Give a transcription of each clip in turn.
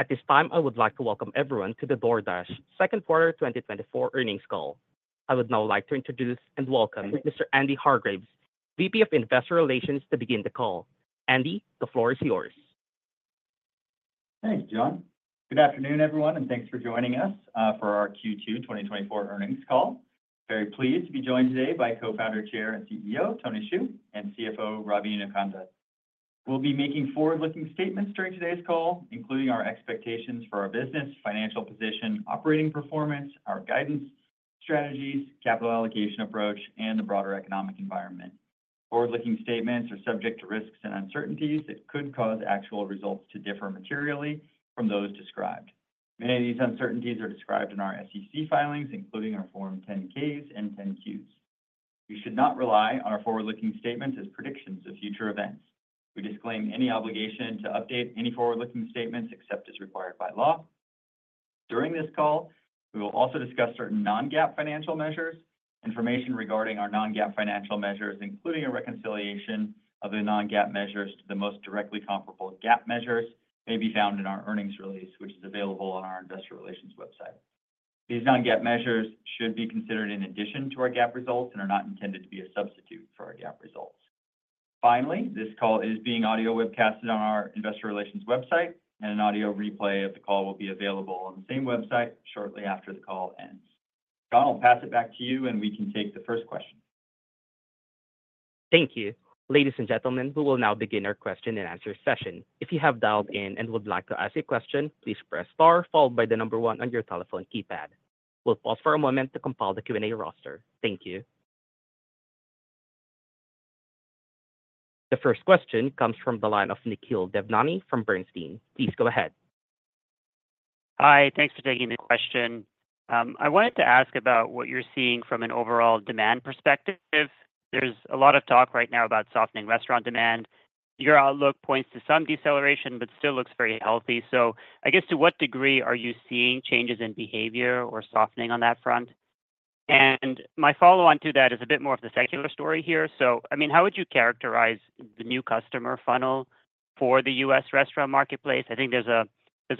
At this time, I would like to welcome everyone to the DoorDash Second Quarter 2024 Earnings Call. I would now like to introduce and welcome Mr. Andy Hargreaves, VP of Investor Relations, to begin the call. Andy, the floor is yours. Thanks, John. Good afternoon, everyone, and thanks for joining us for our Q2 2024 earnings call. Very pleased to be joined today by Co-Founder, Chair, and CEO Tony Xu, and CFO Ravi Inukonda. We'll be making forward-looking statements during today's call, including our expectations for our business, financial position, operating performance, our guidance, strategies, capital allocation approach, and the broader economic environment. Forward-looking statements are subject to risks and uncertainties that could cause actual results to differ materially from those described. Many of these uncertainties are described in our SEC filings, including our Form 10-Ks and 10-Qs. We should not rely on our forward-looking statements as predictions of future events. We disclaim any obligation to update any forward-looking statements except as required by law. During this call, we will also discuss certain non-GAAP financial measures. Information regarding our non-GAAP financial measures, including a reconciliation of the non-GAAP measures to the most directly comparable GAAP measures, may be found in our earnings release, which is available on our Investor Relations website. These non-GAAP measures should be considered in addition to our GAAP results and are not intended to be a substitute for our GAAP results. Finally, this call is being audio-webcasted on our Investor Relations website, and an audio replay of the call will be available on the same website shortly after the call ends. John, I'll pass it back to you, and we can take the first question. Thank you. Ladies and gentlemen, we will now begin our question and answer session. If you have dialed in and would like to ask a question, please press star followed by the number one on your telephone keypad. We'll pause for a moment to compile the Q&A roster. Thank you. The first question comes from the line of Nikhil Devnani from Bernstein. Please go ahead. Hi, thanks for taking the question. I wanted to ask about what you're seeing from an overall demand perspective. There's a lot of talk right now about softening restaurant demand. Your outlook points to some deceleration but still looks very healthy. So I guess, to what degree are you seeing changes in behavior or softening on that front? And my follow-on to that is a bit more of the secular story here. So, I mean, how would you characterize the new customer funnel for the U.S. restaurant marketplace? I think there's a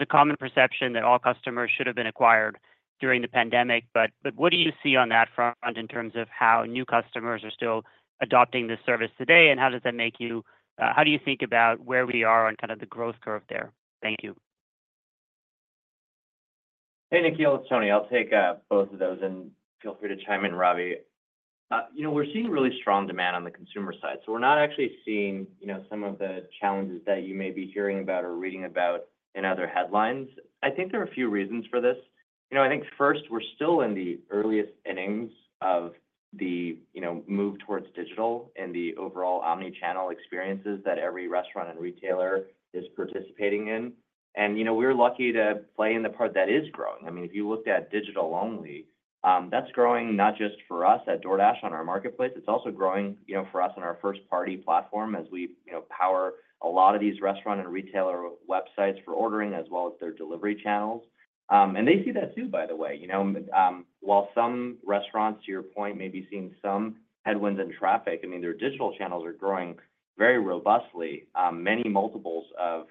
common perception that all customers should have been acquired during the pandemic. But what do you see on that front in terms of how new customers are still adopting this service today, and how does that make you, how do you think about where we are on kind of the growth curve there? Thank you. Hey, Nikhil, it's Tony. I'll take both of those, and feel free to chime in, Ravi. You know, we're seeing really strong demand on the consumer side. So we're not actually seeing, you know, some of the challenges that you may be hearing about or reading about in other headlines. I think there are a few reasons for this. You know, I think, first, we're still in the earliest innings of the move towards digital and the overall omnichannel experiences that every restaurant and retailer is participating in. And, you know, we're lucky to play in the part that is growing. I mean, if you look at digital only, that's growing not just for us at DoorDash on our marketplace. It's also growing, you know, for us on our first-party platform as we power a lot of these restaurant and retailer websites for ordering as well as their delivery channels. And they see that too, by the way. You know, while some restaurants, to your point, may be seeing some headwinds in traffic, I mean, their digital channels are growing very robustly, many multiples of,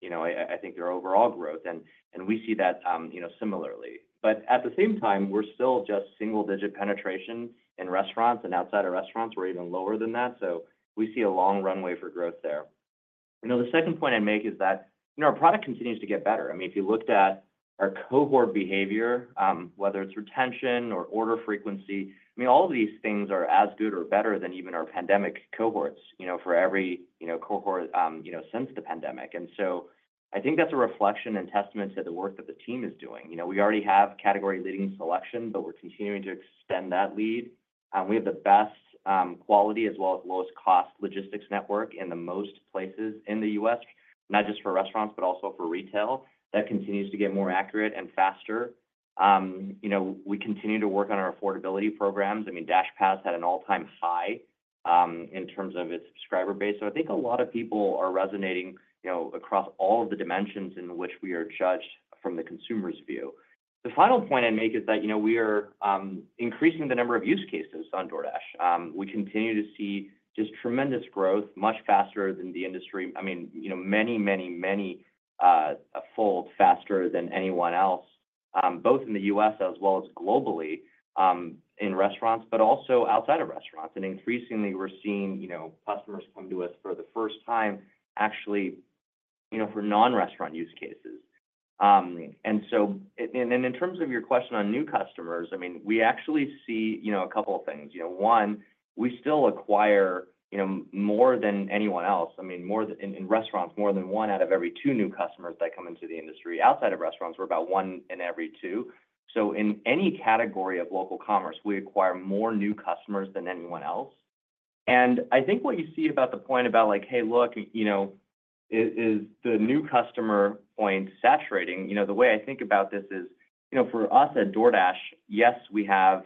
you know, I think, their overall growth. And we see that, you know, similarly. But at the same time, we're still just single-digit penetration in restaurants, and outside of restaurants, we're even lower than that. So we see a long runway for growth there. You know, the second point I'd make is that, you know, our product continues to get better. I mean, if you looked at our cohort behavior, whether it's retention or order frequency, I mean, all of these things are as good or better than even our pandemic cohorts, you know, for every, you know, cohort, you know, since the pandemic. And so I think that's a reflection and testament to the work that the team is doing. You know, we already have category-leading selection, but we're continuing to extend that lead. We have the best quality as well as lowest-cost logistics network in the most places in the U.S., not just for restaurants, but also for retail. That continues to get more accurate and faster. You know, we continue to work on our affordability programs. I mean, DashPass had an all-time high in terms of its subscriber base. So I think a lot of people are resonating, you know, across all of the dimensions in which we are judged from the consumer's view. The final point I'd make is that, you know, we are increasing the number of use cases on DoorDash. We continue to see just tremendous growth, much faster than the industry, I mean, you know, many, many, many fold faster than anyone else, both in the U.S. as well as globally in restaurants, but also outside of restaurants. And increasingly, we're seeing, you know, customers come to us for the first time actually, you know, for non-restaurant use cases. And so in terms of your question on new customers, I mean, we actually see, you know, a couple of things. You know, one, we still acquire, you know, more than anyone else. I mean, more than in restaurants, more than one out of every two new customers that come into the industry. Outside of restaurants, we're about one in every two. So in any category of local commerce, we acquire more new customers than anyone else. I think what you see about the point about, like, "Hey, look, you know, is the new customer point saturating?" You know, the way I think about this is, you know, for us at DoorDash, yes, we have,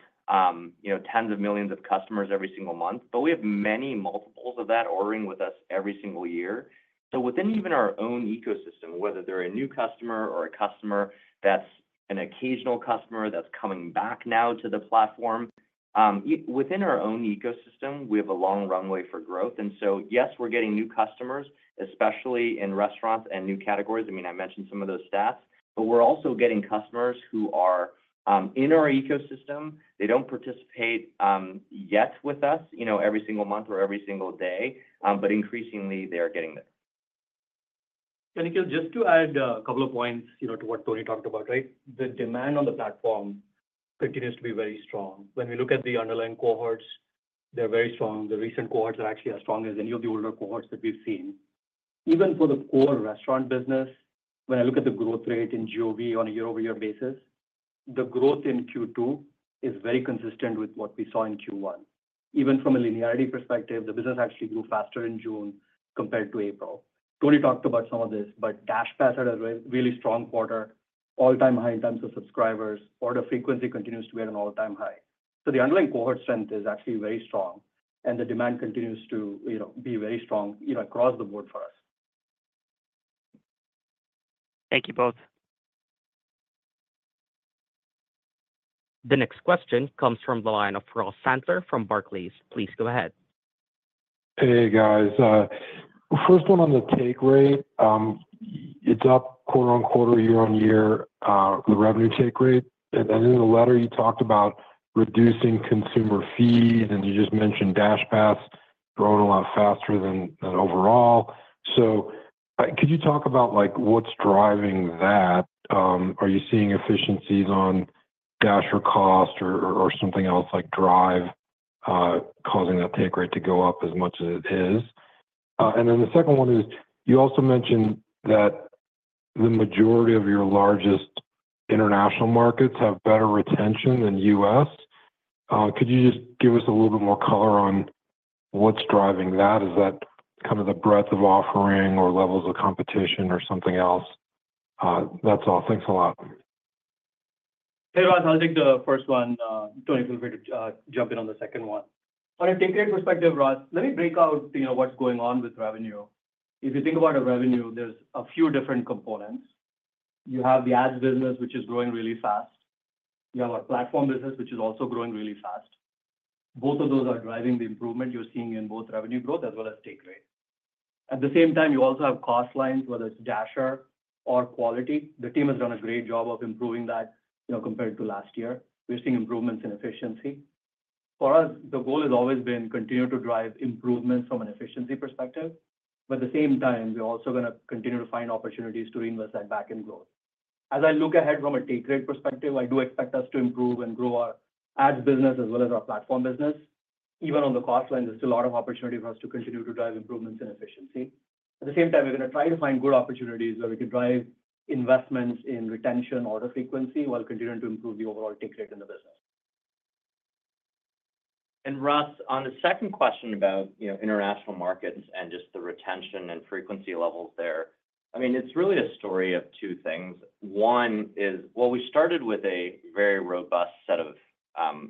you know, tens of millions of customers every single month, but we have many multiples of that ordering with us every single year. So within even our own ecosystem, whether they're a new customer or a customer that's an occasional customer that's coming back now to the platform, within our own ecosystem, we have a long runway for growth. And so yes, we're getting new customers, especially in restaurants and new categories. I mean, I mentioned some of those stats, but we're also getting customers who are in our ecosystem. They don't participate yet with us, you know, every single month or every single day, but increasingly, they're getting there. And Nikhil, just to add a couple of points, you know, to what Tony talked about, right? The demand on the platform continues to be very strong. When we look at the underlying cohorts, they're very strong. The recent cohorts are actually as strong as any of the older cohorts that we've seen. Even for the core restaurant business, when I look at the growth rate in GOV on a year-over-year basis, the growth in Q2 is very consistent with what we saw in Q1. Even from a linearity perspective, the business actually grew faster in June compared to April. Tony talked about some of this, but DashPass had a really strong quarter, all-time high in terms of subscribers. Order frequency continues to be at an all-time high. The underlying cohort strength is actually very strong, and the demand continues to, you know, be very strong, you know, across the board for us. Thank you both. The next question comes from the line of Ross Sandler from Barclays. Please go ahead. Hey, guys. First one on the take rate. It's up quarter-over-quarter, year-over-year, the revenue take rate. And then in the letter, you talked about reducing consumer fees, and you just mentioned DashPass growing a lot faster than overall. So could you talk about, like, what's driving that? Are you seeing efficiencies on Dash for cost or something else like Drive causing that take rate to go up as much as it is? And then the second one is, you also mentioned that the majority of your largest international markets have better retention than U.S. Could you just give us a little bit more color on what's driving that? Is that kind of the breadth of offering or levels of competition or something else? That's all. Thanks a lot. Hey, Ross, I'll take the first one. Tony, feel free to jump in on the second one. On a take rate perspective, Ross, let me break out, you know, what's going on with revenue. If you think about revenue, there's a few different components. You have the ads business, which is growing really fast. You have our platform business, which is also growing really fast. Both of those are driving the improvement you're seeing in both revenue growth as well as take rate. At the same time, you also have cost lines, whether it's Dasher or quality. The team has done a great job of improving that, you know, compared to last year. We're seeing improvements in efficiency. For us, the goal has always been to continue to drive improvements from an efficiency perspective. But at the same time, we're also going to continue to find opportunities to reinvest that back in growth. As I look ahead from a take rate perspective, I do expect us to improve and grow our ads business as well as our platform business. Even on the cost line, there's still a lot of opportunity for us to continue to drive improvements in efficiency. At the same time, we're going to try to find good opportunities where we can drive investments in retention, order frequency, while continuing to improve the overall take rate in the business. And Ross, on the second question about, you know, international markets and just the retention and frequency levels there, I mean, it's really a story of two things. One is, well, we started with a very robust set of,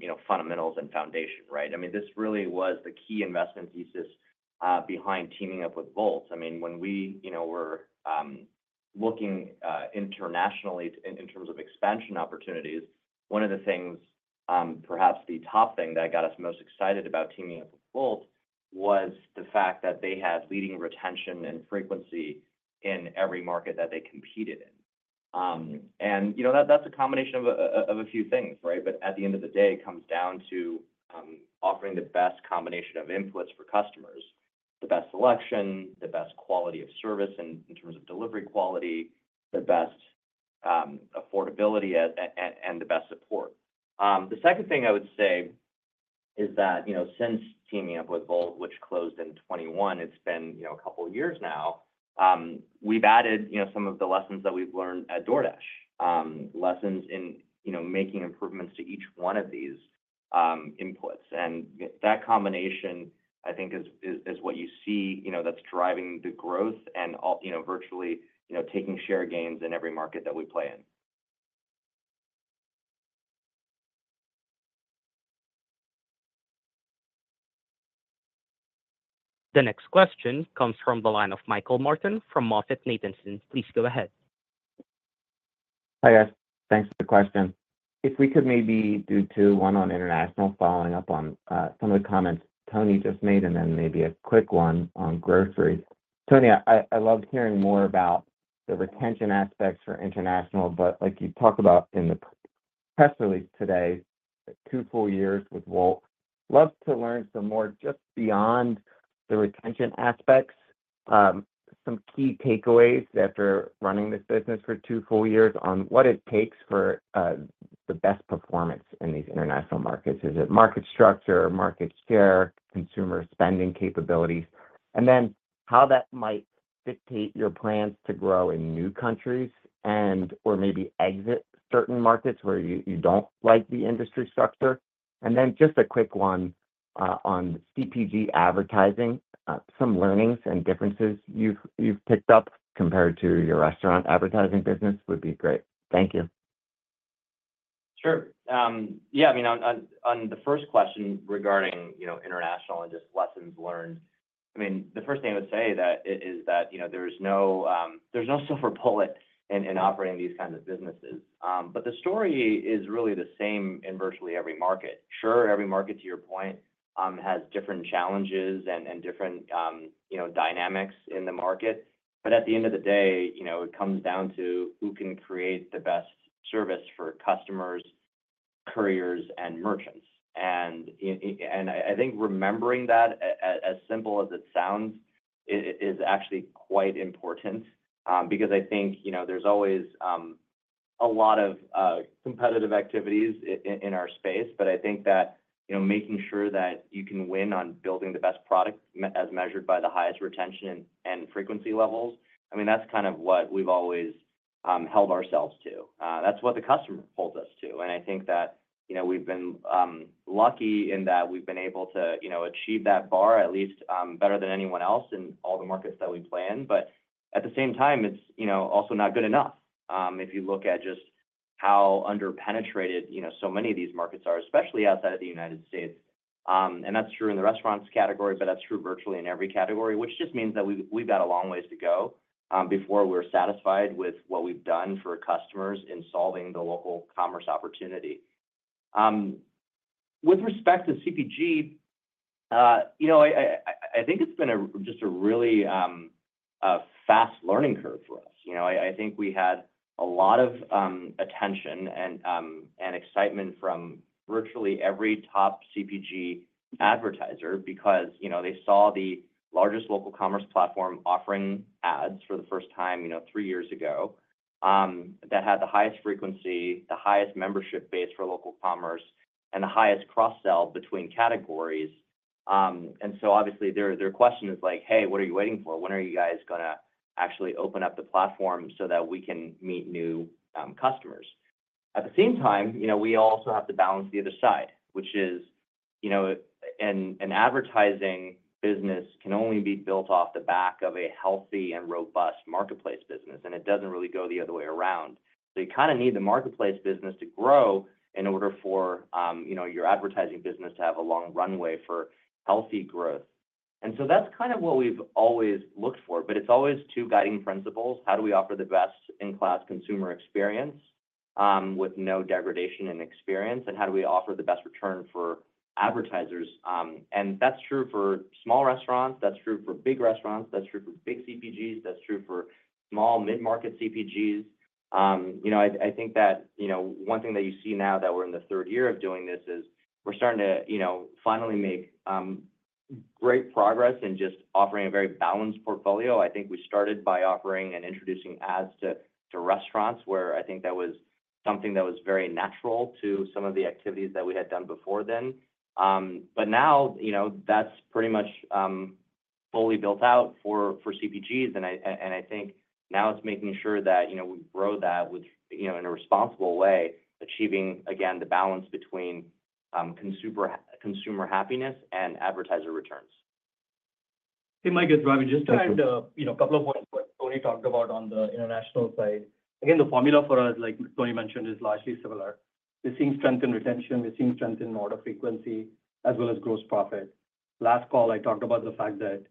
you know, fundamentals and foundation, right? I mean, this really was the key investment thesis behind teaming up with Wolt. I mean, when we, you know, were looking internationally in terms of expansion opportunities, one of the things, perhaps the top thing that got us most excited about teaming up with Wolt was the fact that they had leading retention and frequency in every market that they competed in. And, you know, that's a combination of a few things, right? But at the end of the day, it comes down to offering the best combination of inputs for customers: the best selection, the best quality of service in terms of delivery quality, the best affordability, and the best support. The second thing I would say is that, you know, since teaming up with Wolt, which closed in 2021, it's been, you know, a couple of years now, we've added, you know, some of the lessons that we've learned at DoorDash, lessons in, you know, making improvements to each one of these inputs. And that combination, I think, is what you see, you know, that's driving the growth and, you know, virtually, you know, taking share gains in every market that we play in. The next question comes from the line of Michael Morton from MoffettNathanson. Please go ahead. Hi, guys. Thanks for the question. If we could maybe do two: one on international following up on some of the comments Tony just made and then maybe a quick one on groceries. Tony, I loved hearing more about the retention aspects for international, but like you talked about in the press release today, two full years with Wolt. Love to learn some more just beyond the retention aspects, some key takeaways after running this business for two full years on what it takes for the best performance in these international markets. Is it market structure, market share, consumer spending capabilities, and then how that might dictate your plans to grow in new countries and/or maybe exit certain markets where you don't like the industry structure? And then just a quick one on CPG advertising, some learnings and differences you've picked up compared to your restaurant advertising business would be great. Thank you. Sure. Yeah, I mean, on the first question regarding, you know, international and just lessons learned, I mean, the first thing I would say is that, you know, there's no silver bullet in operating these kinds of businesses. But the story is really the same in virtually every market. Sure, every market, to your point, has different challenges and different, you know, dynamics in the market. But at the end of the day, you know, it comes down to who can create the best service for customers, couriers, and merchants. And I think remembering that, as simple as it sounds, is actually quite important because I think, you know, there's always a lot of competitive activities in our space. But I think that, you know, making sure that you can win on building the best product as measured by the highest retention and frequency levels, I mean, that's kind of what we've always held ourselves to. That's what the customer holds us to. And I think that, you know, we've been lucky in that we've been able to, you know, achieve that bar at least better than anyone else in all the markets that we play in. But at the same time, it's, you know, also not good enough if you look at just how underpenetrated, you know, so many of these markets are, especially outside of the United States. That's true in the restaurants category, but that's true virtually in every category, which just means that we've got a long ways to go before we're satisfied with what we've done for customers in solving the local commerce opportunity. With respect to CPG, you know, I think it's been just a really fast learning curve for us. You know, I think we had a lot of attention and excitement from virtually every top CPG advertiser because, you know, they saw the largest local commerce platform offering ads for the first time, you know, three years ago, that had the highest frequency, the highest membership base for local commerce, and the highest cross-sell between categories. And so obviously, their question is like, "Hey, what are you waiting for? When are you guys going to actually open up the platform so that we can meet new customers?" At the same time, you know, we also have to balance the other side, which is, you know, an advertising business can only be built off the back of a healthy and robust marketplace business, and it doesn't really go the other way around. So you kind of need the marketplace business to grow in order for, you know, your advertising business to have a long runway for healthy growth. And so that's kind of what we've always looked for, but it's always two guiding principles: how do we offer the best-in-class consumer experience with no degradation in experience, and how do we offer the best return for advertisers? And that's true for small restaurants. That's true for big restaurants. That's true for big CPGs. That's true for small mid-market CPGs. You know, I think that, you know, one thing that you see now that we're in the third year of doing this is we're starting to, you know, finally make great progress in just offering a very balanced portfolio. I think we started by offering and introducing ads to restaurants where I think that was something that was very natural to some of the activities that we had done before then. But now, you know, that's pretty much fully built out for CPGs. And I think now it's making sure that, you know, we grow that in a responsible way, achieving, again, the balance between consumer happiness and advertiser returns. Hey, Mike, it's Ravi, just touched on, you know, a couple of points what Tony talked about on the international side. Again, the formula for us, like Tony mentioned, is largely similar. We're seeing strength in retention. We're seeing strength in order frequency as well as gross profit. Last call, I talked about the fact that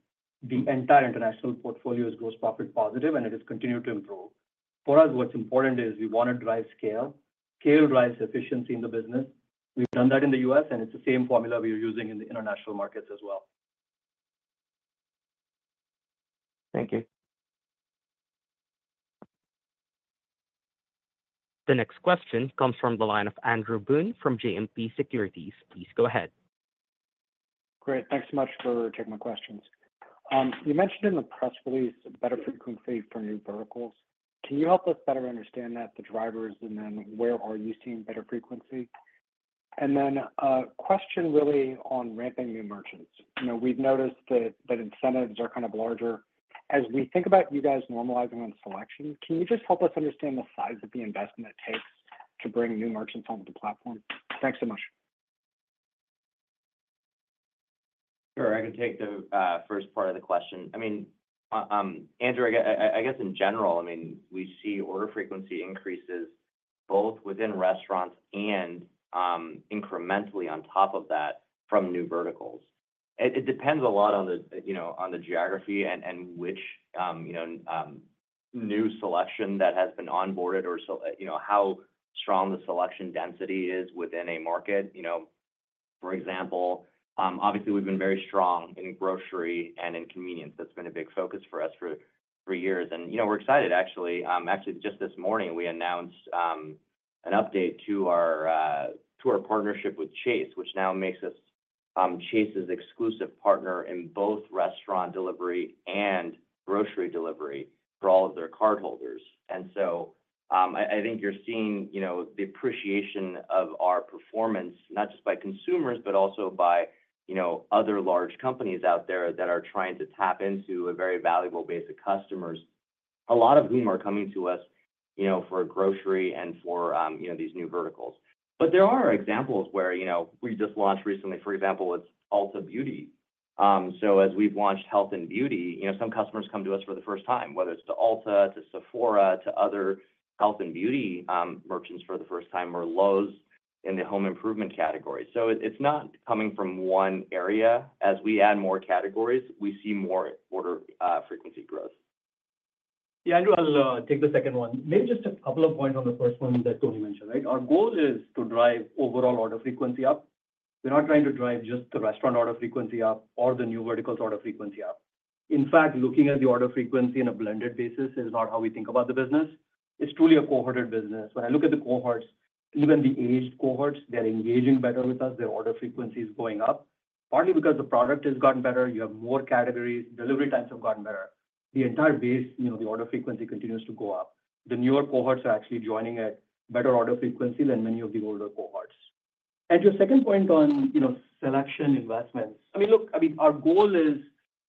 the entire international portfolio is gross profit positive, and it has continued to improve. For us, what's important is we want to drive scale. Scale drives efficiency in the business. We've done that in the U.S., and it's the same formula we're using in the international markets as well. Thank you. The next question comes from the line of Andrew Boone from JMP Securities. Please go ahead. Great. Thanks much for taking my questions. You mentioned in the press release better frequency for new verticals. Can you help us better understand that, the drivers, and then where are you seeing better frequency? And then a question really on ramping new merchants. You know, we've noticed that incentives are kind of larger. As we think about you guys normalizing on selection, can you just help us understand the size of the investment it takes to bring new merchants onto the platform? Thanks so much. Sure. I can take the first part of the question. I mean, Andrew, I guess in general, I mean, we see order frequency increases both within restaurants and incrementally on top of that from new verticals. It depends a lot on the, you know, on the geography and which, you know, new selection that has been onboarded or, you know, how strong the selection density is within a market. You know, for example, obviously, we've been very strong in grocery and in convenience. That's been a big focus for us for years. And, you know, we're excited, actually. Actually, just this morning, we announced an update to our partnership with Chase, which now makes us Chase's exclusive partner in both restaurant delivery and grocery delivery for all of their cardholders. And so I think you're seeing, you know, the appreciation of our performance, not just by consumers, but also by, you know, other large companies out there that are trying to tap into a very valuable base of customers, a lot of whom are coming to us, you know, for grocery and for, you know, these new verticals. But there are examples where, you know, we just launched recently, for example, with Ulta Beauty. So as we've launched health and beauty, you know, some customers come to us for the first time, whether it's to Ulta, to Sephora, to other health and beauty merchants for the first time, or Lowe's in the home improvement category. So it's not coming from one area. As we add more categories, we see more order frequency growth. Yeah, Andrew, I'll take the second one. Maybe just a couple of points on the first one that Tony mentioned, right? Our goal is to drive overall order frequency up. We're not trying to drive just the restaurant order frequency up or the new verticals order frequency up. In fact, looking at the order frequency on a blended basis is not how we think about the business. It's truly a cohorted business. When I look at the cohorts, even the aged cohorts, they're engaging better with us. Their order frequency is going up, partly because the product has gotten better. You have more categories. Delivery times have gotten better. The entire base, you know, the order frequency continues to go up. The newer cohorts are actually joining at better order frequency than many of the older cohorts. Andrew, second point on, you know, selection investments. I mean, look, I mean, our goal is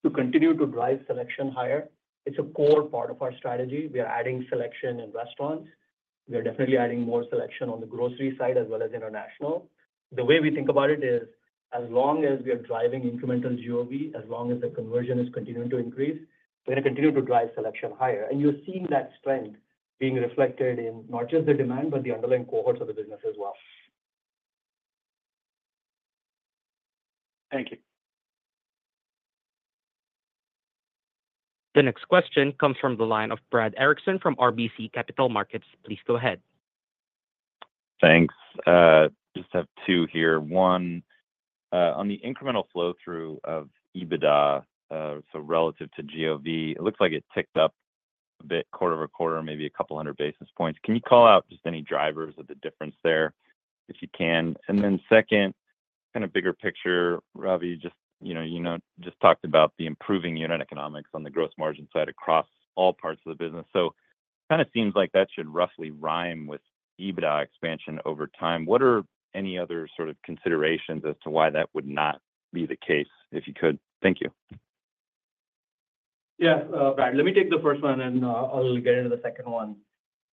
to continue to drive selection higher. It's a core part of our strategy. We are adding selection in restaurants. We are definitely adding more selection on the grocery side as well as international. The way we think about it is, as long as we are driving incremental GOV, as long as the conversion is continuing to increase, we're going to continue to drive selection higher. And you're seeing that strength being reflected in not just the demand, but the underlying cohorts of the business as well. Thank you. The next question comes from the line of Brad Erickson from RBC Capital Markets. Please go ahead. Thanks. Just have two here. One, on the incremental flow-through of EBITDA, so relative to GOV, it looks like it ticked up a bit, quarter-over-quarter, maybe a couple hundred basis points. Can you call out just any drivers of the difference there if you can? And then second, kind of bigger picture, Ravi, just, you know, you just talked about the improving unit economics on the gross margin side across all parts of the business. So it kind of seems like that should roughly rhyme with EBITDA expansion over time. What are any other sort of considerations as to why that would not be the case if you could? Thank you. Yeah, Brad, let me take the first one, and I'll get into the second one.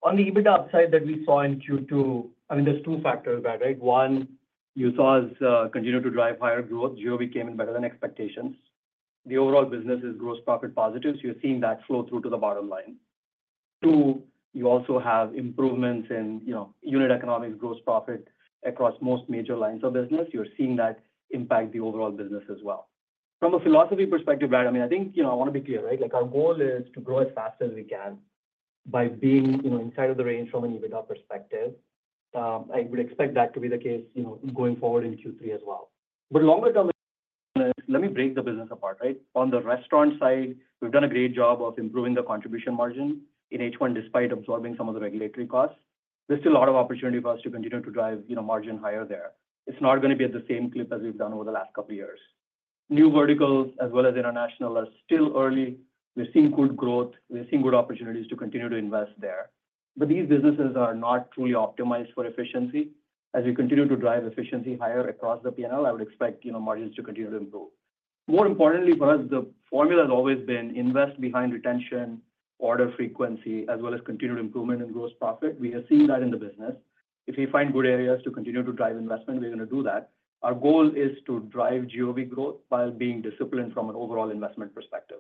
On the EBITDA upside that we saw in Q2, I mean, there's two factors, Brad, right? One, you saw us continue to drive higher growth. GOV came in better than expectations. The overall business is gross profit positive. So you're seeing that flow through to the bottom line. Two, you also have improvements in, you know, unit economics, gross profit across most major lines of business. You're seeing that impact the overall business as well. From a philosophy perspective, Brad, I mean, I think, you know, I want to be clear, right? Like our goal is to grow as fast as we can by being, you know, inside of the range from an EBITDA perspective. I would expect that to be the case, you know, going forward in Q3 as well. But longer term, let me break the business apart, right? On the restaurant side, we've done a great job of improving the contribution margin in H1 despite absorbing some of the regulatory costs. There's still a lot of opportunity for us to continue to drive, you know, margin higher there. It's not going to be at the same clip as we've done over the last couple of years. New verticals as well as international are still early. We're seeing good growth. We're seeing good opportunities to continue to invest there. But these businesses are not truly optimized for efficiency. As we continue to drive efficiency higher across the P&L, I would expect, you know, margins to continue to improve. More importantly for us, the formula has always been invest behind retention, order frequency, as well as continued improvement in gross profit. We are seeing that in the business. If we find good areas to continue to drive investment, we're going to do that. Our goal is to drive GOV growth while being disciplined from an overall investment perspective.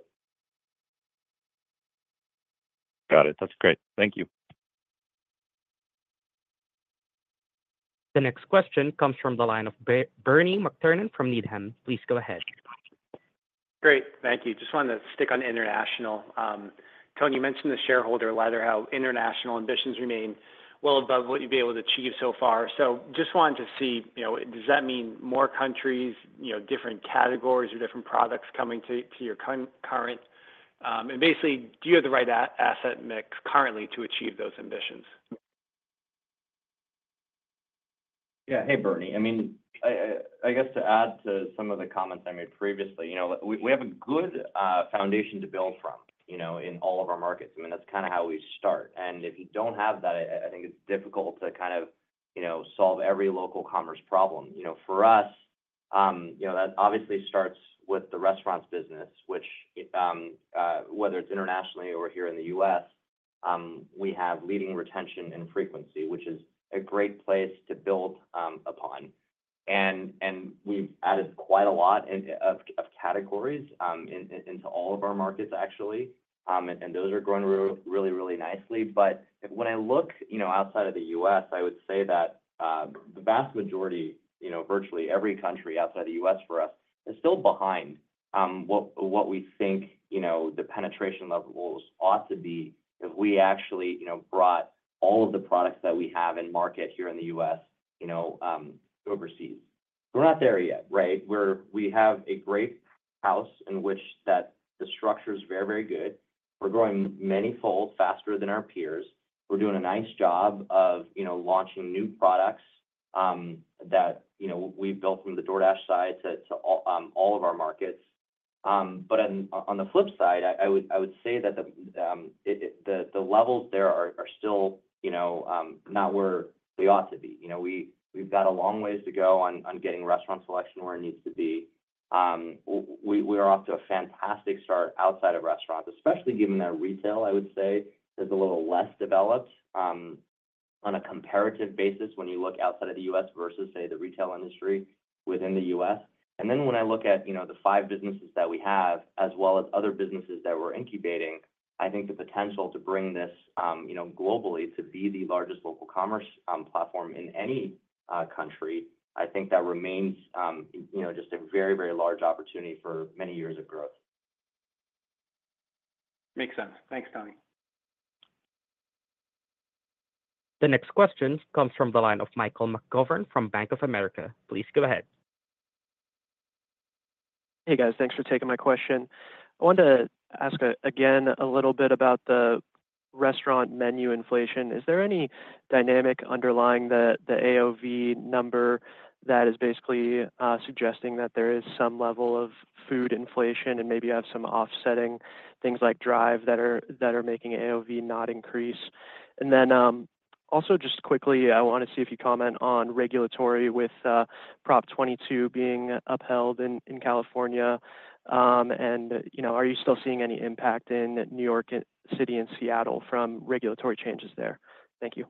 Got it. That's great. Thank you. The next question comes from the line of Bernie McTernan from Needham. Please go ahead. Great. Thank you. Just wanted to stick on international. Tony, you mentioned the shareholder letter, how international ambitions remain well above what you've been able to achieve so far. So just wanted to see, you know, does that mean more countries, you know, different categories or different products coming to your current? And basically, do you have the right asset mix currently to achieve those ambitions? Yeah. Hey, Bernie. I mean, I guess to add to some of the comments I made previously, you know, we have a good foundation to build from, you know, in all of our markets. I mean, that's kind of how we start. If you don't have that, I think it's difficult to kind of, you know, solve every local commerce problem. You know, for us, you know, that obviously starts with the restaurants business, which, whether it's internationally or here in the U.S., we have leading retention and frequency, which is a great place to build upon. And we've added quite a lot of categories into all of our markets, actually. And those are growing really, really nicely. But when I look, you know, outside of the U.S., I would say that the vast majority, you know, virtually every country outside the U.S. for us is still behind what we think, you know, the penetration levels ought to be if we actually, you know, brought all of the products that we have in market here in the U.S., you know, overseas. We're not there yet, right? We have a great house in which the structure is very, very good. We're growing many fold faster than our peers. We're doing a nice job of, you know, launching new products that, you know, we've built from the DoorDash side to all of our markets. But on the flip side, I would say that the levels there are still, you know, not where they ought to be. You know, we've got a long ways to go on getting restaurant selection where it needs to be. We are off to a fantastic start outside of restaurants, especially given that retail, I would say, is a little less developed on a comparative basis when you look outside of the U.S. versus, say, the retail industry within the U.S. And then when I look at, you know, the five businesses that we have, as well as other businesses that we're incubating, I think the potential to bring this, you know, globally to be the largest local commerce platform in any country, I think that remains, you know, just a very, very large opportunity for many years of growth. Makes sense. Thanks, Tony. The next question comes from the line of Michael McGovern from Bank of America. Please go ahead. Hey, guys. Thanks for taking my question. I wanted to ask again a little bit about the restaurant menu inflation. Is there any dynamic underlying the AOV number that is basically suggesting that there is some level of food inflation and maybe you have some offsetting things like Drive that are making AOV not increase? And then also just quickly, I want to see if you comment on regulatory with Prop 22 being upheld in California. And, you know, are you still seeing any impact in New York City and Seattle from regulatory changes there? Thank you.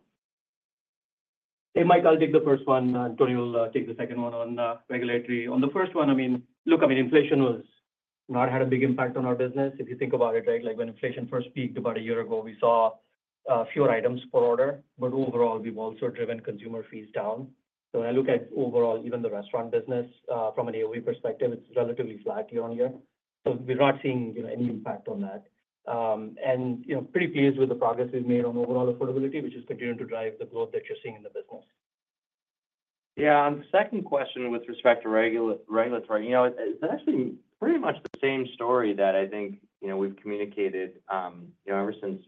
Hey, Mike, I'll take the first one. Tony will take the second one on regulatory. On the first one, I mean, look, I mean, inflation has not had a big impact on our business. If you think about it, right, like when inflation first peaked about a year ago, we saw fewer items per order. But overall, we've also driven consumer fees down. So when I look at overall, even the restaurant business from an AOV perspective, it's relatively flat year-over-year. So we're not seeing, you know, any impact on that. And, you know, pretty pleased with the progress we've made on overall affordability, which is continuing to drive the growth that you're seeing in the business. Yeah. On the second question with respect to regulatory, you know, it's actually pretty much the same story that I think, you know, we've communicated, you know, ever since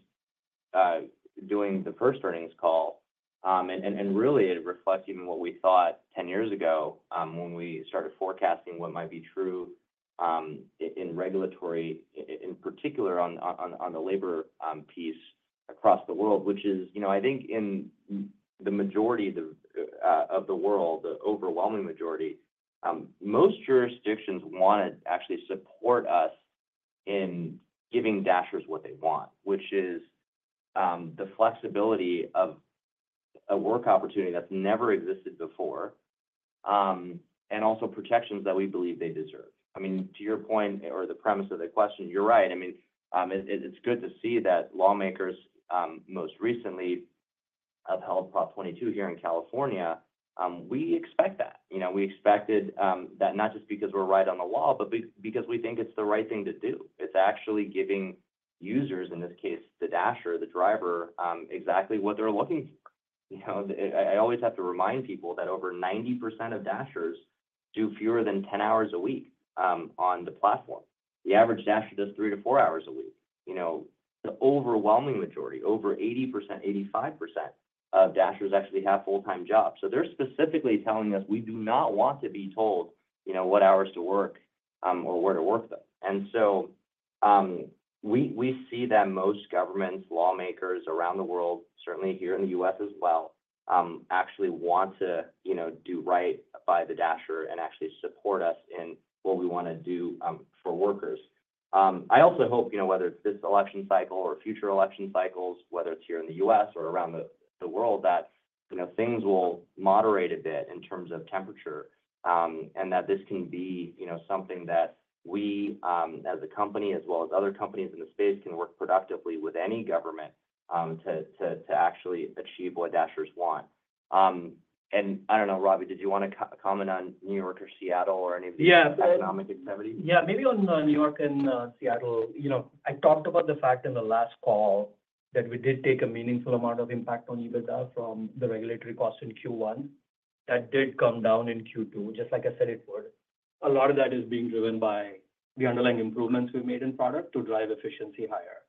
doing the first earnings call. And really, it reflects even what we thought 10 years ago when we started forecasting what might be true in regulatory, in particular on the labor piece across the world, which is, you know, I think in the majority of the world, the overwhelming majority, most jurisdictions want to actually support us in giving Dashers what they want, which is the flexibility of a work opportunity that's never existed before and also protections that we believe they deserve. I mean, to your point or the premise of the question, you're right. I mean, it's good to see that lawmakers most recently upheld Prop 22 here in California. We expect that. You know, we expected that not just because we're right on the law, but because we think it's the right thing to do. It's actually giving users, in this case, the Dasher, the driver, exactly what they're looking for. You know, I always have to remind people that over 90% of Dashers do fewer than 10 hours a week on the platform. The average Dasher does three to four hours a week. You know, the overwhelming majority, over 80%, 85% of Dashers actually have full-time jobs. So they're specifically telling us we do not want to be told, you know, what hours to work or where to work them. And so we see that most governments, lawmakers around the world, certainly here in the U.S. as well, actually want to, you know, do right by the Dasher and actually support us in what we want to do for workers. I also hope, you know, whether it's this election cycle or future election cycles, whether it's here in the U.S. or around the world, that, you know, things will moderate a bit in terms of temperature and that this can be, you know, something that we, as a company, as well as other companies in the space, can work productively with any government to actually achieve what Dashers want. I don't know, Ravi, did you want to comment on New York or Seattle or any of these economic activities? Yeah, maybe on New York and Seattle, you know, I talked about the fact in the last call that we did take a meaningful amount of impact on EBITDA from the regulatory cost in Q1. That did come down in Q2, just like I said it would. A lot of that is being driven by the underlying improvements we've made in product to drive efficiency higher.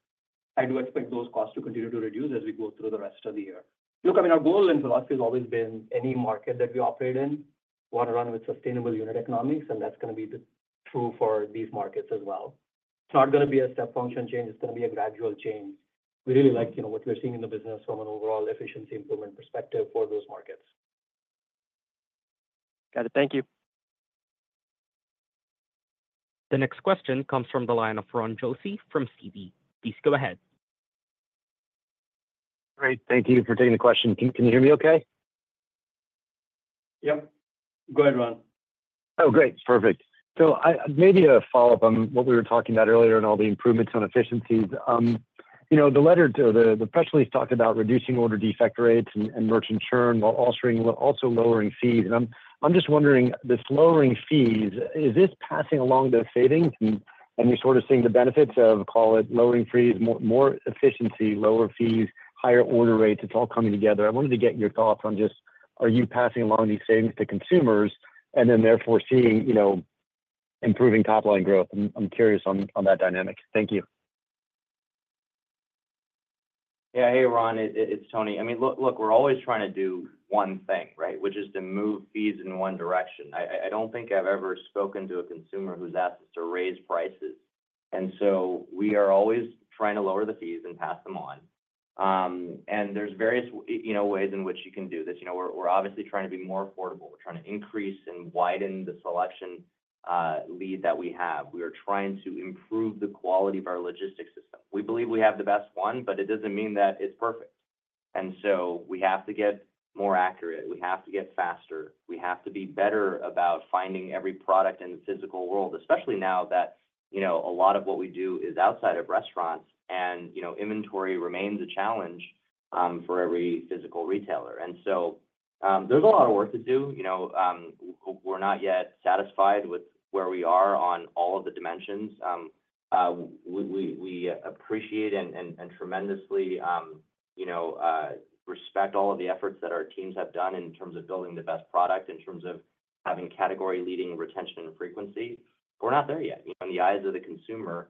I do expect those costs to continue to reduce as we go through the rest of the year. Look, I mean, our goal and philosophy has always been any market that we operate in, we want to run with sustainable unit economics, and that's going to be true for these markets as well. It's not going to be a step function change. It's going to be a gradual change. We really like, you know, what we're seeing in the business from an overall efficiency improvement perspective for those markets. Got it. Thank you. The next question comes from the line of Ron Josey from Citi. Please go ahead. Great. Thank you for taking the question. Can you hear me okay? Yep. Go ahead, Ron. Oh, great. Perfect. So maybe a follow-up on what we were talking about earlier and all the improvements on efficiencies. You know, the letter to the press release talked about reducing order defect rates and merchant churn while also lowering fees. And I'm just wondering, this lowering fees, is this passing along the savings? And you're sort of seeing the benefits of, call it lowering fees, more efficiency, lower fees, higher order rates. It's all coming together. I wanted to get your thoughts on just, are you passing along these savings to consumers and then therefore seeing, you know, improving top-line growth? I'm curious on that dynamic. Thank you. Yeah. Hey, Ron. It's Tony. I mean, look, we're always trying to do one thing, right, which is to move fees in one direction. I don't think I've ever spoken to a consumer who's asked us to raise prices. And so we are always trying to lower the fees and pass them on. And there's various, you know, ways in which you can do this. You know, we're obviously trying to be more affordable. We're trying to increase and widen the selection lead that we have. We are trying to improve the quality of our logistics system. We believe we have the best one, but it doesn't mean that it's perfect. And so we have to get more accurate. We have to get faster. We have to be better about finding every product in the physical world, especially now that, you know, a lot of what we do is outside of restaurants and, you know, inventory remains a challenge for every physical retailer. And so there's a lot of work to do. You know, we're not yet satisfied with where we are on all of the dimensions. We appreciate and tremendously, you know, respect all of the efforts that our teams have done in terms of building the best product, in terms of having category-leading retention and frequency. We're not there yet. You know, in the eyes of the consumer,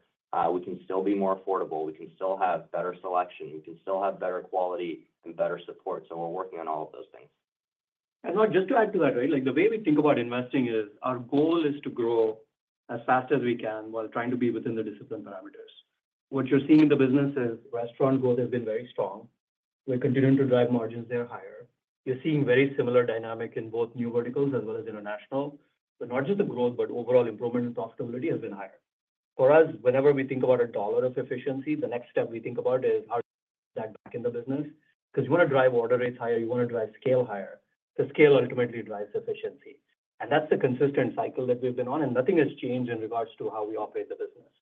we can still be more affordable. We can still have better selection. We can still have better quality and better support. So we're working on all of those things. Just to add to that, right, like the way we think about investing is our goal is to grow as fast as we can while trying to be within the discipline parameters. What you're seeing in the business is restaurant growth has been very strong. We're continuing to drive margins there higher. You're seeing a very similar dynamic in both new verticals as well as international. But not just the growth, but overall improvement in profitability has been higher. For us, whenever we think about a dollar of efficiency, the next step we think about is how to put that back in the business. Because you want to drive order rates higher, you want to drive scale higher. The scale ultimately drives efficiency. And that's the consistent cycle that we've been on. And nothing has changed in regards to how we operate the business.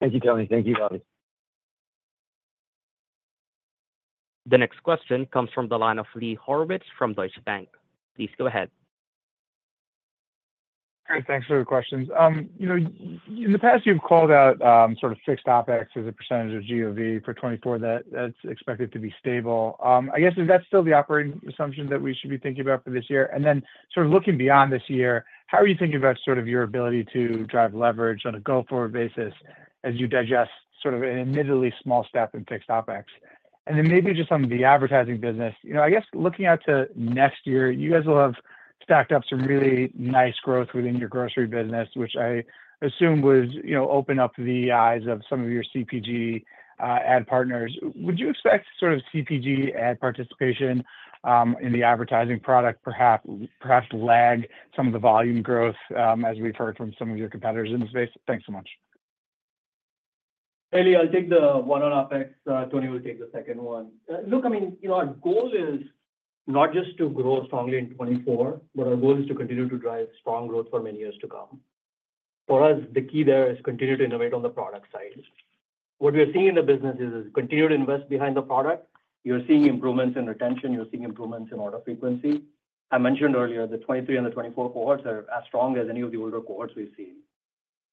Thank you, Tony. Thank you, Ravi. The next question comes from the line of Lee Horowitz from Deutsche Bank. Please go ahead. Great. Thanks for the questions. You know, in the past, you've called out sort of fixed OpEx as a percentage of GOV for 2024 that's expected to be stable. I guess, is that still the operating assumption that we should be thinking about for this year? And then sort of looking beyond this year, how are you thinking about sort of your ability to drive leverage on a go-forward basis as you digest sort of an admittedly small step in fixed OpEx? And then maybe just on the advertising business, you know, I guess looking out to next year, you guys will have stacked up some really nice growth within your grocery business, which I assume would, you know, open up the eyes of some of your CPG ad partners. Would you expect sort of CPG ad participation in the advertising product perhaps to lag some of the volume growth as we've heard from some of your competitors in the space? Thanks so much. Hey Lee, I'll take the one on OpEx. Tony will take the second one. Look, I mean, you know, our goal is not just to grow strongly in 2024, but our goal is to continue to drive strong growth for many years to come. For us, the key there is to continue to innovate on the product side. What we are seeing in the business is continue to invest behind the product. You're seeing improvements in retention. You're seeing improvements in order frequency. I mentioned earlier the 2023 and the 2024 cohorts are as strong as any of the older cohorts we've seen.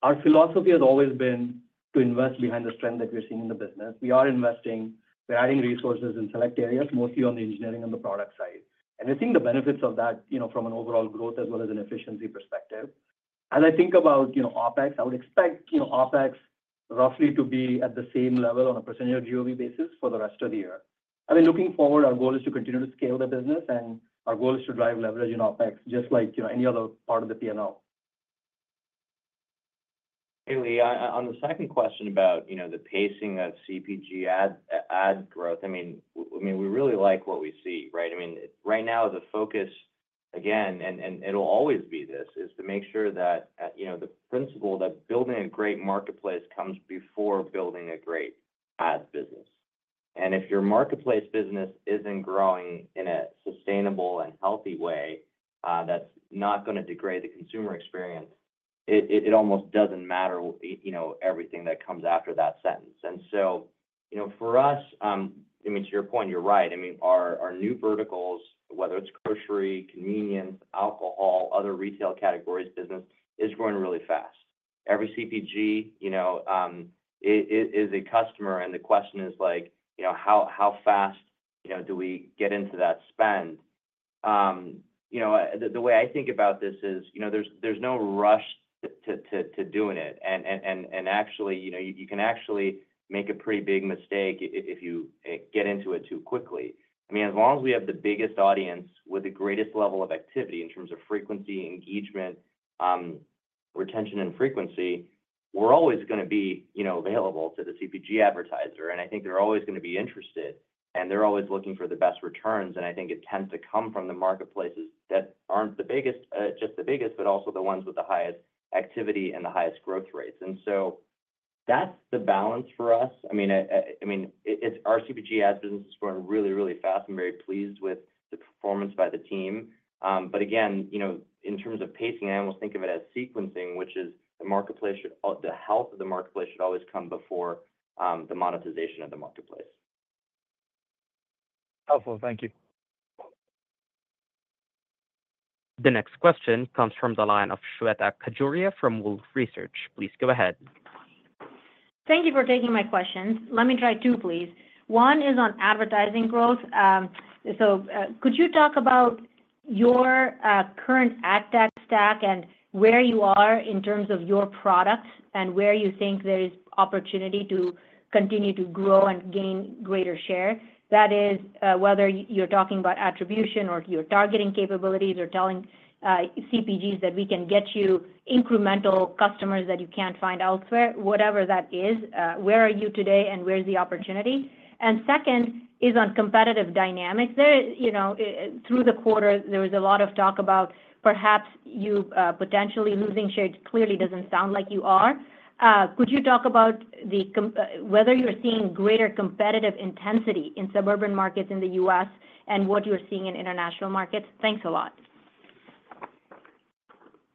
Our philosophy has always been to invest behind the strength that we're seeing in the business. We are investing. We're adding resources in select areas, mostly on the engineering and the product side. We're seeing the benefits of that, you know, from an overall growth as well as an efficiency perspective. As I think about, you know, OpEx, I would expect, you know, OpEx roughly to be at the same level on a percentage of GOV basis for the rest of the year. I mean, looking forward, our goal is to continue to scale the business, and our goal is to drive leverage in OpEx just like, you know, any other part of the P&L. Lee, on the second question about, you know, the pacing of CPG ad growth, I mean, we really like what we see, right? I mean, right now, the focus, again, and it'll always be this, is to make sure that, you know, the principle that building a great marketplace comes before building a great ad business. And if your marketplace business isn't growing in a sustainable and healthy way that's not going to degrade the consumer experience, it almost doesn't matter, you know, everything that comes after that sentence. And so, you know, for us, I mean, to your point, you're right. I mean, our new verticals, whether it's grocery, convenience, alcohol, other retail categories business, is growing really fast. Every CPG, you know, is a customer. And the question is like, you know, how fast, you know, do we get into that spend? You know, the way I think about this is, you know, there's no rush to doing it. And actually, you know, you can actually make a pretty big mistake if you get into it too quickly. I mean, as long as we have the biggest audience with the greatest level of activity in terms of frequency, engagement, retention, and frequency, we're always going to be, you know, available to the CPG advertiser. And I think they're always going to be interested, and they're always looking for the best returns. And I think it tends to come from the marketplaces that aren't the biggest, just the biggest, but also the ones with the highest activity and the highest growth rates. And so that's the balance for us. I mean, I mean, our CPG ad business is growing really, really fast. I'm very pleased with the performance by the team. But again, you know, in terms of pacing, I almost think of it as sequencing, which is the marketplace, the health of the marketplace should always come before the monetization of the marketplace. Helpful. Thank you. The next question comes from the line of Shweta Khajuria from Wolfe Research. Please go ahead. Thank you for taking my questions. Let me try two, please. One is on advertising growth. So could you talk about your current ad tech stack and where you are in terms of your product and where you think there is opportunity to continue to grow and gain greater share? That is, whether you're talking about attribution or your targeting capabilities or telling CPGs that we can get you incremental customers that you can't find elsewhere, whatever that is, where are you today and where's the opportunity? And second is on competitive dynamics. There, you know, through the quarter, there was a lot of talk about perhaps you potentially losing shares. Clearly, it doesn't sound like you are. Could you talk about whether you're seeing greater competitive intensity in suburban markets in the U.S. and what you're seeing in international markets? Thanks a lot.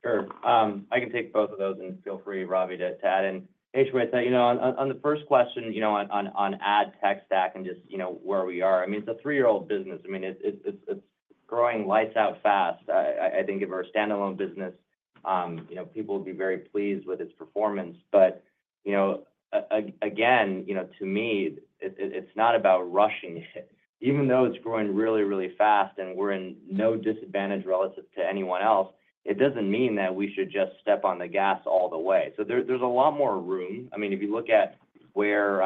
Sure. I can take both of those and feel free, Ravi, to add in. Hey, Shweta, you know, on the first question, you know, on ad tech stack and just, you know, where we are, I mean, it's a three-year-old business. I mean, it's growing lights out fast. I think if we're a standalone business, you know, people would be very pleased with its performance. But, you know, again, you know, to me, it's not about rushing it. Even though it's growing really, really fast and we're in no disadvantage relative to anyone else, it doesn't mean that we should just step on the gas all the way. So there's a lot more room. I mean, if you look at where,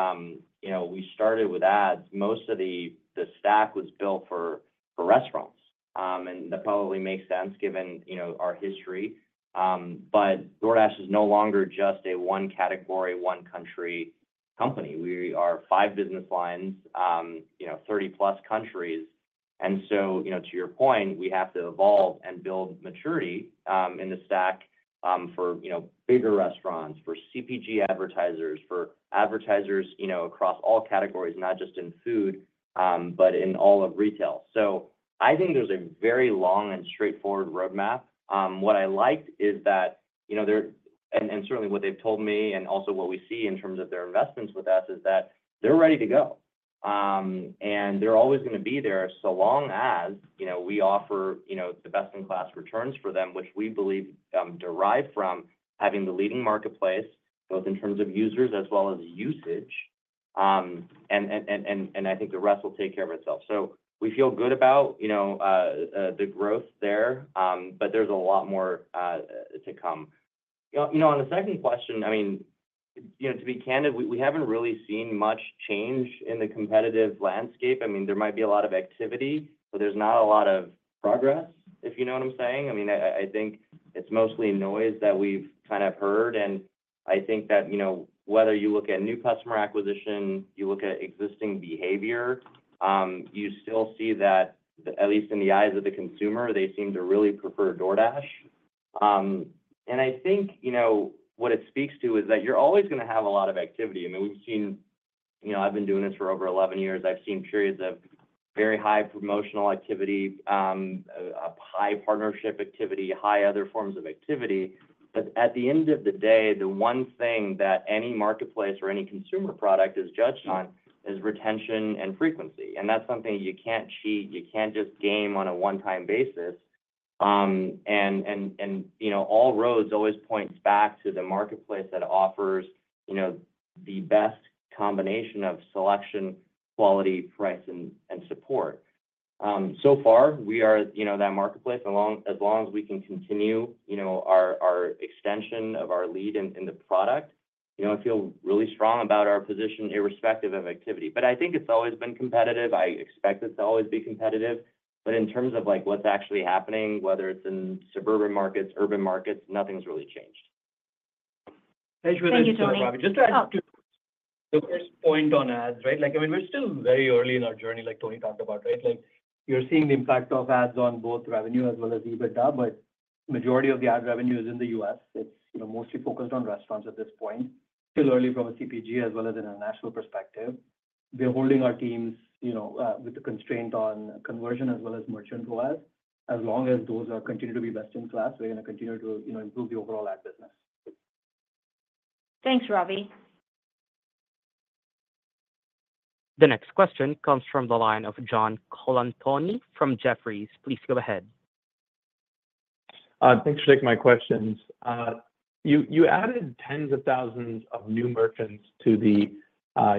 you know, we started with ads, most of the stack was built for restaurants. And that probably makes sense given, you know, our history. But DoorDash is no longer just a one category, one country company. We are five business lines, you know, 30+ countries. And so, you know, to your point, we have to evolve and build maturity in the stack for, you know, bigger restaurants, for CPG advertisers, for advertisers, you know, across all categories, not just in food, but in all of retail. So I think there's a very long and straightforward roadmap. What I liked is that, you know, and certainly what they've told me and also what we see in terms of their investments with us is that they're ready to go. And they're always going to be there so long as, you know, we offer, you know, the best-in-class returns for them, which we believe derive from having the leading marketplace, both in terms of users as well as usage. And I think the rest will take care of itself. So we feel good about, you know, the growth there, but there's a lot more to come. You know, on the second question, I mean, you know, to be candid, we haven't really seen much change in the competitive landscape. I mean, there might be a lot of activity, but there's not a lot of progress, if you know what I'm saying. I mean, I think it's mostly noise that we've kind of heard. And I think that, you know, whether you look at new customer acquisition, you look at existing behavior, you still see that, at least in the eyes of the consumer, they seem to really prefer DoorDash. And I think, you know, what it speaks to is that you're always going to have a lot of activity. I mean, we've seen, you know, I've been doing this for over 11 years. I've seen periods of very high promotional activity, high partnership activity, high other forms of activity. But at the end of the day, the one thing that any marketplace or any consumer product is judged on is retention and frequency. And that's something you can't cheat. You can't just game on a one-time basis. And, you know, all roads always point back to the marketplace that offers, you know, the best combination of selection, quality, price, and support. So far, we are, you know, that marketplace as long as we can continue, you know, our extension of our lead in the product, you know, I feel really strong about our position irrespective of activity. But I think it's always been competitive. I expect it to always be competitive. But in terms of like what's actually happening, whether it's in suburban markets, urban markets, nothing's really changed. Thank you, Tony. Just to add to the first point on ads, right? Like, I mean, we're still very early in our journey, like Tony talked about, right? Like you're seeing the impact of ads on both revenue as well as EBITDA, but the majority of the ad revenue is in the U.S. It's, you know, mostly focused on restaurants at this point. Still early from a CPG as well as an international perspective. We're holding our teams, you know, with the constraint on conversion as well as merchant ROAS. As long as those continue to be best in class, we're going to continue to, you know, improve the overall ad business. Thanks, Ravi. The next question comes from the line of John Colantuoni from Jefferies. Please go ahead. Thanks for taking my questions. You added tens of thousands of new merchants to the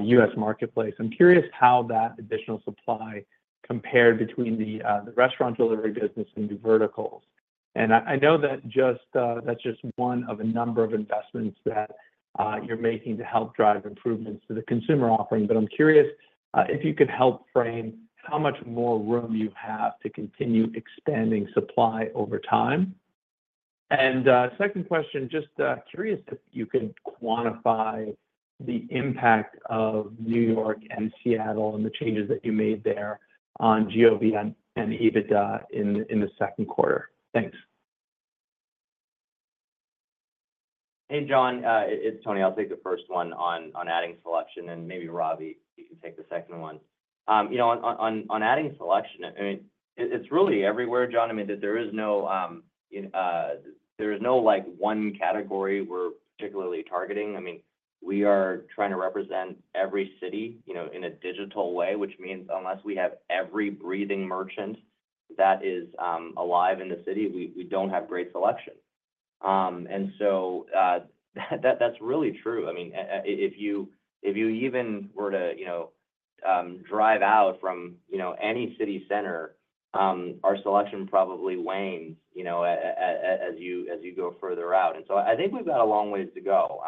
U.S. marketplace. I'm curious how that additional supply compared between the restaurant delivery business and new verticals. And I know that's just one of a number of investments that you're making to help drive improvements to the consumer offering. But I'm curious if you could help frame how much more room you have to continue expanding supply over time. And second question, just curious if you could quantify the impact of New York and Seattle and the changes that you made there on GOV and EBITDA in the second quarter. Thanks. Hey, John, it's Tony. I'll take the first one on adding selection. And maybe Ravi, you can take the second one. You know, on adding selection, I mean, it's really everywhere, John. I mean, there is no like one category we're particularly targeting. I mean, we are trying to represent every city, you know, in a digital way, which means unless we have every breathing merchant that is alive in the city, we don't have great selection. And so that's really true. I mean, if you even were to, you know, drive out from, you know, any city center, our selection probably wanes, you know, as you go further out. And so I think we've got a long ways to go.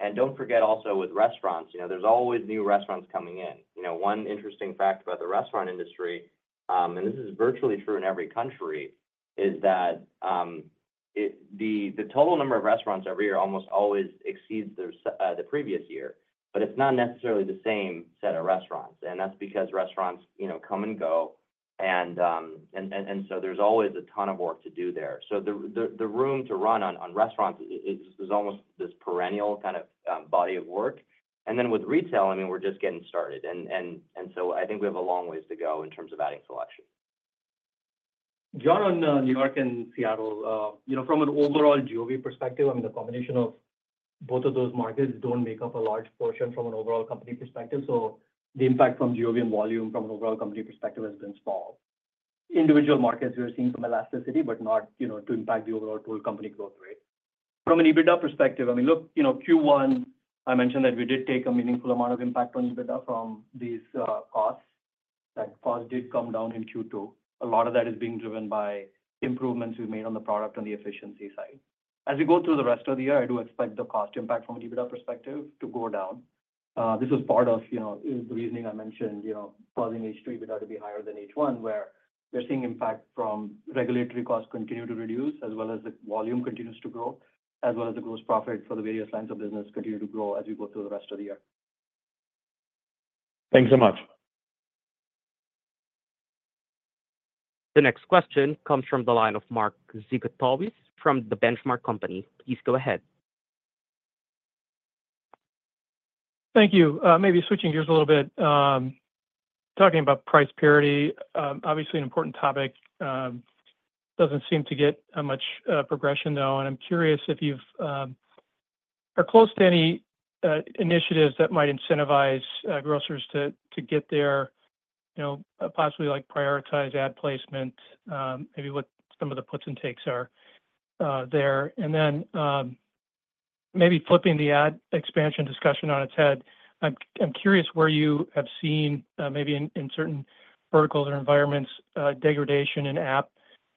And don't forget also with restaurants, you know, there's always new restaurants coming in. You know, one interesting fact about the restaurant industry, and this is virtually true in every country, is that the total number of restaurants every year almost always exceeds the previous year. But it's not necessarily the same set of restaurants. And that's because restaurants, you know, come and go. And so there's always a ton of work to do there. So the room to run on restaurants is almost this perennial kind of body of work. And then with retail, I mean, we're just getting started. And so I think we have a long ways to go in terms of adding selection. John, on New York and Seattle, you know, from an overall GOV perspective, I mean, the combination of both of those markets don't make up a large portion from an overall company perspective. So the impact from GOV and volume from an overall company perspective has been small. Individual markets we're seeing from elasticity, but not, you know, to impact the overall total company growth rate. From an EBITDA perspective, I mean, look, you know, Q1, I mentioned that we did take a meaningful amount of impact on EBITDA from these costs. That cost did come down in Q2. A lot of that is being driven by improvements we've made on the product on the efficiency side. As we go through the rest of the year, I do expect the cost impact from an EBITDA perspective to go down. This was part of, you know, the reasoning I mentioned, you know, causing H2 EBITDA to be higher than H1, where we're seeing impact from regulatory costs continue to reduce as well as the volume continues to grow, as well as the gross profit for the various lines of business continue to grow as we go through the rest of the year. Thanks so much. The next question comes from the line of Mark Zgutowicz from The Benchmark Company. Please go ahead. Thank you. Maybe switching gears a little bit. Talking about price parity, obviously an important topic. Doesn't seem to get much progression, though. And I'm curious if you are close to any initiatives that might incentivize grocers to get there, you know, possibly like prioritize ad placement, maybe what some of the puts and takes are there. And then maybe flipping the ad expansion discussion on its head, I'm curious where you have seen maybe in certain verticals or environments degradation in app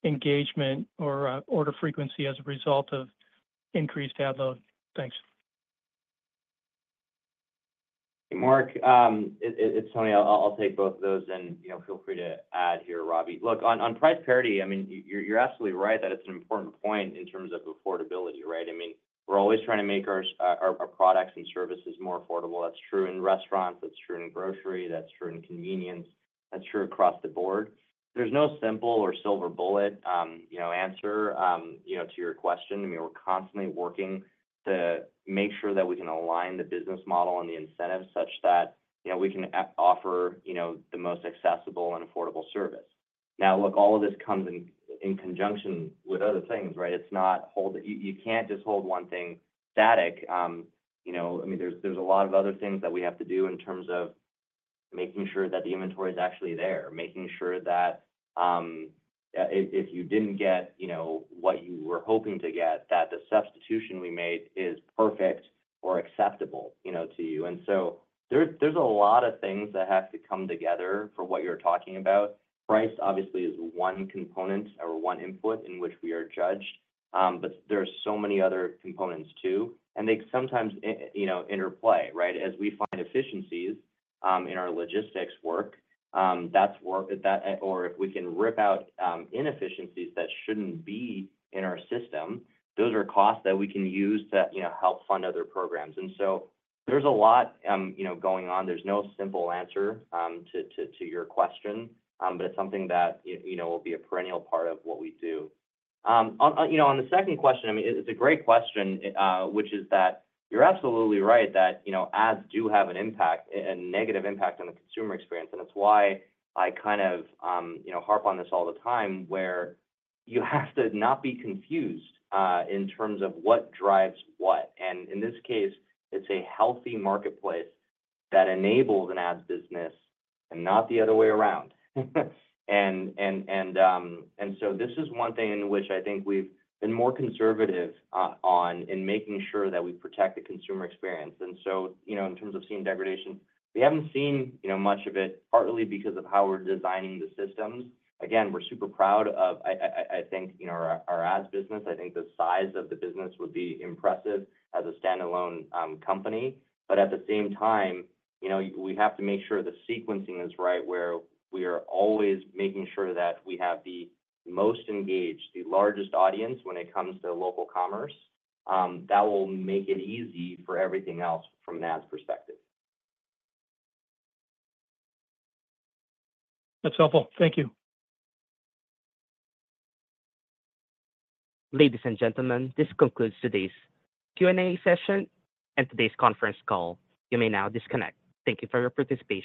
engagement or order frequency as a result of increased ad load. Thanks. Hey, Mark. It's Tony. I'll take both of those. And, you know, feel free to add here, Ravi. Look, on price parity, I mean, you're absolutely right that it's an important point in terms of affordability, right? I mean, we're always trying to make our products and services more affordable. That's true in restaurants. That's true in grocery. That's true in convenience. That's true across the board. There's no simple or silver bullet, you know, answer, you know, to your question. I mean, we're constantly working to make sure that we can align the business model and the incentives such that, you know, we can offer, you know, the most accessible and affordable service. Now, look, all of this comes in conjunction with other things, right? It's not. You can't just hold one thing static. You know, I mean, there's a lot of other things that we have to do in terms of making sure that the inventory is actually there, making sure that if you didn't get, you know, what you were hoping to get, that the substitution we made is perfect or acceptable, you know, to you. And so there's a lot of things that have to come together for what you're talking about. Price obviously is one component or one input in which we are judged. But there are so many other components too. And they sometimes, you know, interplay, right? As we find efficiencies in our logistics work, that's work that or if we can rip out inefficiencies that shouldn't be in our system, those are costs that we can use to, you know, help fund other programs. And so there's a lot, you know, going on. There's no simple answer to your question. But it's something that, you know, will be a perennial part of what we do. You know, on the second question, I mean, it's a great question, which is that you're absolutely right that, you know, ads do have an impact, a negative impact on the consumer experience. And it's why I kind of, you know, harp on this all the time, where you have to not be confused in terms of what drives what. And in this case, it's a healthy marketplace that enables an ad business and not the other way around. And so this is one thing in which I think we've been more conservative on in making sure that we protect the consumer experience. And so, you know, in terms of seeing degradation, we haven't seen, you know, much of it, partly because of how we're designing the systems. Again, we're super proud of, I think, you know, our ads business. I think the size of the business would be impressive as a standalone company. But at the same time, you know, we have to make sure the sequencing is right, where we are always making sure that we have the most engaged, the largest audience when it comes to local commerce. That will make it easy for everything else from an ads perspective. That's helpful. Thank you. Ladies and gentlemen, this concludes today's Q&A session and today's conference call. You may now disconnect. Thank you for your participation.